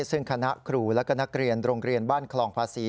ซึ่งคณะครูและก็นักเรียนโรงเรียนบ้านคลองภาษี